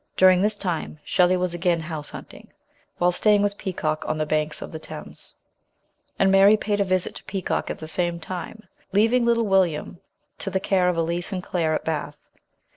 During this time Shelley was again house hunting, while staying with Peacock on the banks of the Thames ; and Mary paid a visit to Peacock at the same time, leaving little William to the care of Elise and Claire at Bath.